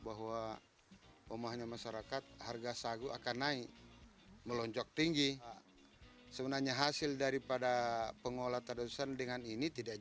bahwa pemahaman masyarakat harga sagu akan naik